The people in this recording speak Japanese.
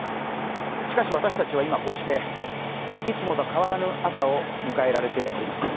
しかし、私たちは今、こうしていつもと変わらぬ朝を迎えられています。